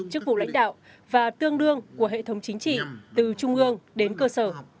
chức vụ lãnh đạo và tương đương của hệ thống chính trị từ trung ương đến cơ sở